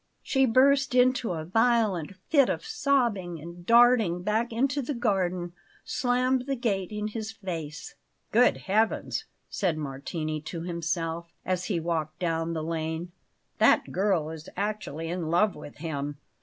She burst into a violent fit of sobbing, and, darting back into the garden, slammed the gate in his face. "Good Heavens!" said Martini to himself, as he walked down the lane. "That girl is actually in love with him!